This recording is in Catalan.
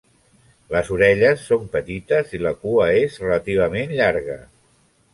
Les orelles són petites i la cua és relativament llarga.